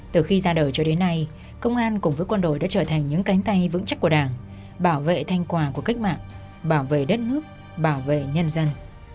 từ khi ra đời cho đến nay công an cùng với quân đội đã trở thành những cánh tay vững chắc của đảng bảo vệ thành quả của cách mạng bảo vệ đất nước bảo vệ nhân dân